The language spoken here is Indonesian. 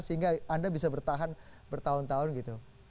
sehingga anda bisa bertahan bertahun tahun gitu